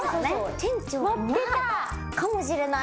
店長が持ってたかもしれない。